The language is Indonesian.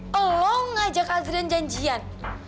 bel elu ngajak adrian janjian